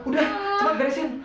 udah cepat garisin